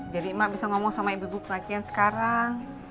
jadi emak bisa ngomong sama ibu ibu pengajian sekarang